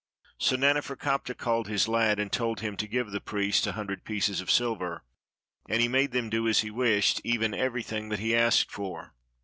So Naneferkaptah called his lad and told him to give the priest a hundred pieces of silver; and he made them do as he wished, even everything that he asked for.